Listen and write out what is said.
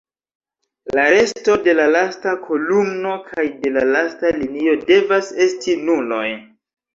La resto de la lasta kolumno kaj de la lasta linio devas esti nuloj.